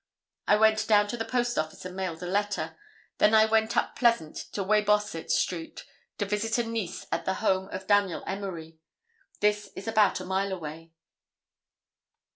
I went down to the post office and mailed a letter. Then I went up Pleasant to Weybosset street to visit a niece at the home of Daniel Emery. This is about a mile away."